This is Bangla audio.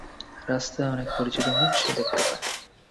রাস্তায় অনেক পরিচিত মুখ সে দেখতে পায়।